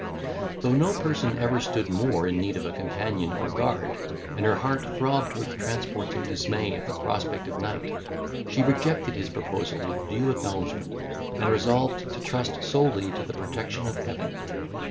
Though no person ever stood more in need of a companion or guard, and her heart throbbed with transports of dismay at the prospect of night, she rejected his proposal with due acknowledgment, and resolved to trust solely to the protection of Heaven.